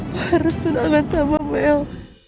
lo harus tunangan sama mel